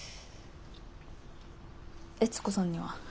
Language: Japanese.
悦子さんには？